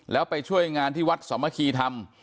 แล้วไปช่วยงานที่วัดสมคีทำ